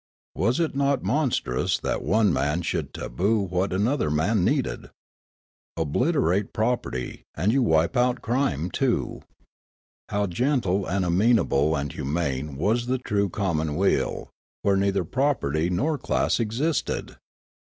Was it not monstrous that one man should taboo what another man needed ! Obliterate property, and 5'ou wipe out crime too. How gentle and amenable and humane was the true commonweal, where neither property nor class existed